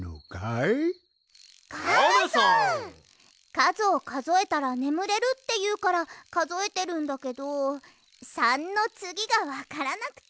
かずをかぞえたらねむれるっていうからかぞえてるんだけど３のつぎがわからなくて。